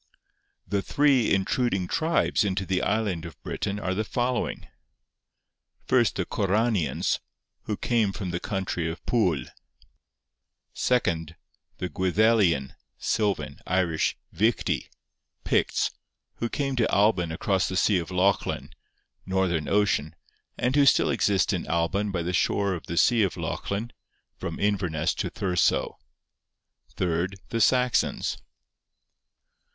'The three intruding tribes into the island of Britain are the following: First, the Corranians, who came from the country of Pwyl. Second, the Gwyddelian (silvan, Irish) Fichti (Picts), who came to Alban across the sea of Lochlin (Northern Ocean), and who still exist in Alban by the shore of the sea of Lochlin (from Inverness to Thursoe). Third, the Saxons